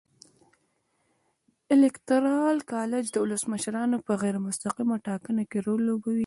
الېکترال کالج د ولسمشرانو په غیر مستقیمه ټاکنه کې رول لوبوي.